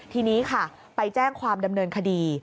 ทีนี้ค่ะไปแจ้งความดำเนินคดี